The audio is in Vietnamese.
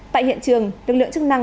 tại hiện trường lực lượng chức năng